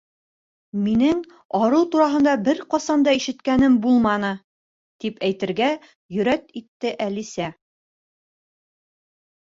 —Минең арыу тураһында бер ҡасан да ишеткәнем булманы, —тип әйтергә йөрьәт итте Әлисә.